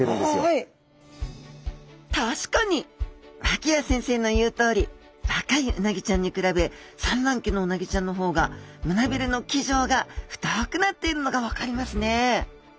脇谷先生の言うとおり若いうなぎちゃんに比べ産卵期のうなぎちゃんの方が胸びれの鰭条が太くなっているのが分かりますね